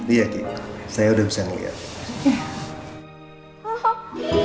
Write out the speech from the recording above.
iya saya udah bisa ngeliat